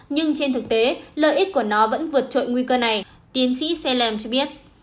nhưng trên thực tế lợi ích của nó vẫn vượt trội nguy cơ này tiến sĩ selem cho biết